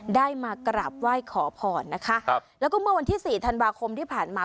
ได้มากราบไหว้ขอพรนะคะครับแล้วก็เมื่อวันที่สี่ธันวาคมที่ผ่านมา